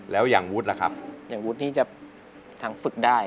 แล้วอย่างวุฒิล่ะครับอย่างวุฒินี้จะทางฝึกได้